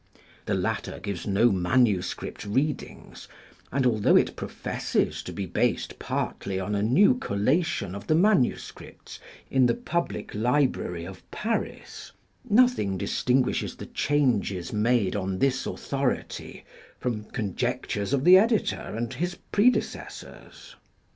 The latter gives no manuscript readings; and although it professes to be based partly on a new collation of the manuscripts in the pub lic library of Paris, nothing distinguishes the changes made on this authority from conjectures of the editor and his predecessors.